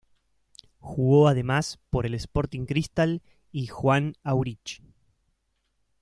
Jugó además por el Sporting Cristal y Juan Aurich.